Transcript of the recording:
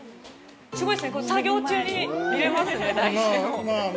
すごいですね、これ作業中に見れますね、大山を。